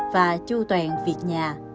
và chu toàn việc nhà